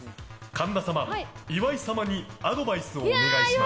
神田様、岩井様にアドバイスをお願いします。